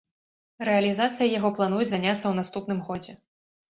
Рэалізацыяй яго плануюць заняцца ў наступным годзе.